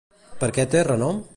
Per què té renom?